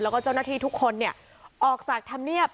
แล้วก็เจ้าหน้าที่ทุกคนออกจากธรรมเนียบ